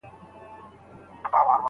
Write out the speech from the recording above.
هر پوهنتون خپل ځانګړي اصول او قوانین لري.